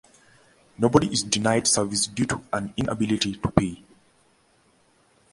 Nobody is denied service due to an inability to pay.